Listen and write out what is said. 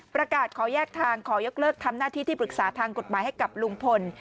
ประกาศขอแยกทางขอยกเลิกทำหน้าที่ที่ปรึกษาทางกฎหมายให้กับลุงพล